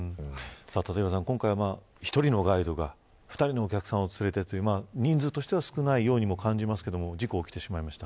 立岩さん、今回１人のガイドが２人のお客さんを連れてという人数としては少ないようにも感じますが事故が起きてしまいました。